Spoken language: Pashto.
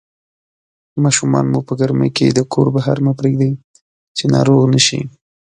ماشومان مو په ګرمۍ کې د کور بهر مه پرېږدئ چې ناروغ نشي